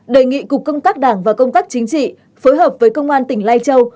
đề nghị cục công tác đảng và công tác chính trị phối hợp với công an tỉnh lai châu